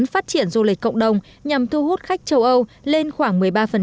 phát triển du lịch cộng đồng nhằm thu hút khách châu âu lên khoảng một mươi ba